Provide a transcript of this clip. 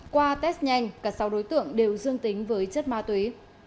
qua test nhanh cả sáu đối tượng đều dương tính với chất ma túy